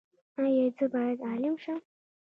ایا زه باید عالم شم؟